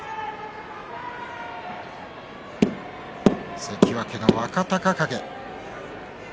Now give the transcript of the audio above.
関脇の若隆景。